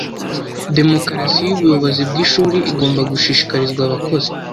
demokarasi yubuyobozi bwishuri igomba gushishikarizwa abakozi